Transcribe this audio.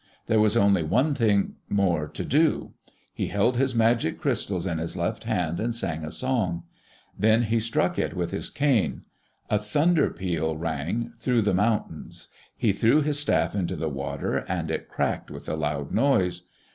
There was only one thing more to do. He held his magic crystals in his left hand and sang a song. Then he struck it with his cane. A thunder peal rang through the mountains. He threw his staff into the water and it cracked with a loud noise.